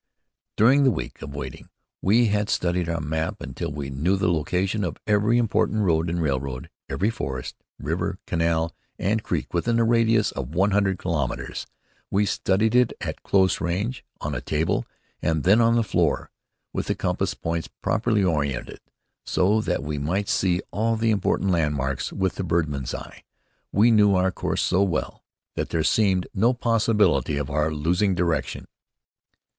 During the week of waiting we had studied our map until we knew the location of every important road and railroad, every forest, river, canal, and creek within a radius of one hundred kilometres. We studied it at close range, on a table, and then on the floor, with the compass points properly orientated, so that we might see all the important landmarks with the birdman's eye. We knew our course so well, that there seemed no possibility of our losing direction.